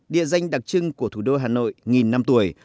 địa danh đặc trưng của thủ đô hà nội nghìn năm tuổi